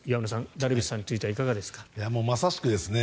ダルビッシュさんについてはまさしくですね